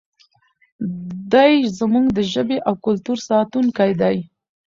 دی زموږ د ژبې او کلتور ساتونکی دی.